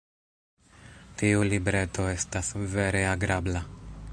Tiu libreto estas vere agrabla.